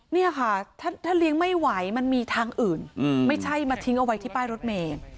นี่ค่ะถ้าเลี้ยงไม่ไหวมันมีทางอื่นไม่ใช่มาทิ้งเอาไว้ที่ป้ายรถเมย์